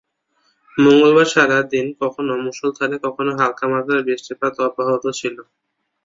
মঙ্গলবার সারা দিন কখনো মুষলধারে কখনো হালকা মাত্রার বৃষ্টিপাত অব্যাহত ছিল।